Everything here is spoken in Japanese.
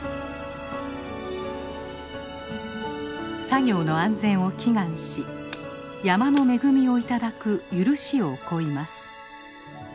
作業の安全を祈願し山の恵みを頂く許しをこいます。